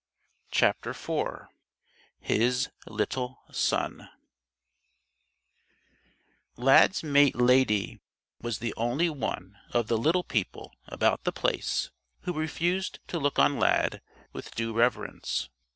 CHAPTER IV HIS LITTLE SON Lad's mate Lady was the only one of the Little People about The Place who refused to look on Lad with due reverence.